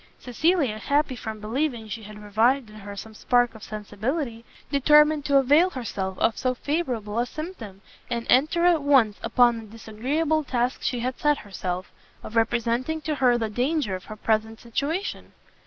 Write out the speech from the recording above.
Cecilia, happy from believing she had revived in her some spark of sensibility, determined to avail herself of so favourable a symptom, and enter at once upon the disagreeable task she had set herself, of representing to her the danger of her present situation.